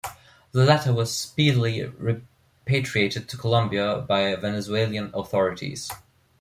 The latter were speedily repatriated to Colombia by Venezuelan authorities.